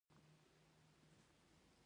پاچا په قهر او غرور وویل.